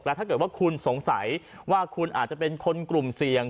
ถ้าเกิดว่าคุณสงสัยว่าคุณอาจจะเป็นคนกลุ่มเสี่ยง